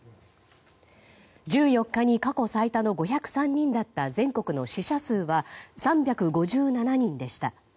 １４日に過去最多の５０３人だった全国の死者数は３５７人でした。